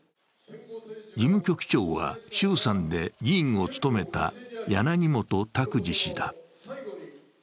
事務局長は衆参で議員を務めた柳本卓治氏だ。